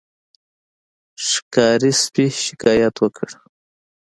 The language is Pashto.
ښکاري سپي شکایت وکړ.